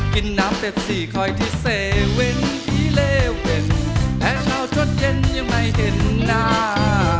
กินน้ำเสร็จสี่คอยที่เซเว่นที่เลเว่นแต่เช้าจนเย็นยังไม่เห็นหน้า